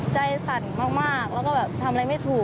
สั่นมากแล้วก็แบบทำอะไรไม่ถูก